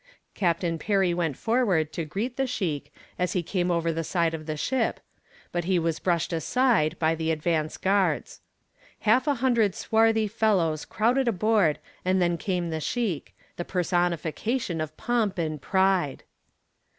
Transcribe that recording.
Captain Perry went forward to greet the sheik as he came over the side of the ship, but he was brushed aside by the advance guards. Half a hundred swarthy fellows crowded aboard and then came the sheik, the personification of pomp and pride.